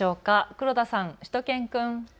黒田さん、しゅと犬くん。